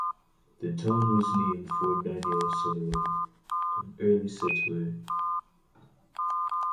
The town was named for Daniel Sullivan, an early settler.